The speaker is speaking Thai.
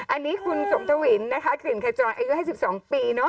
อันนี้คุณสมธวินไอจรให้๑๒ปี